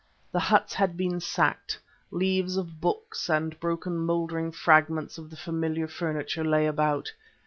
The huts had been sacked; leaves of books and broken mouldering fragments of the familiar furniture lay about.